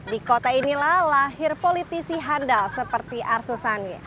di kota inilah lahir politisi handal seperti arsul sani